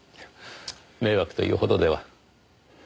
迷惑というほどでは。